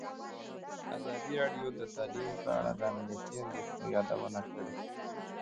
ازادي راډیو د تعلیم په اړه د امنیتي اندېښنو یادونه کړې.